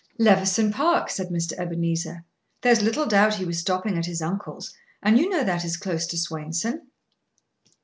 "Levison Park," said Mr. Ebenezer. "There's little doubt he was stopping at his uncle's, and you know that is close to Swainson."